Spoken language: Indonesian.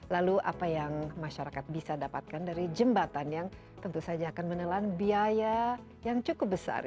lalu apa yang masyarakat bisa dapatkan dari jembatan yang tentu saja akan menelan biaya yang cukup besar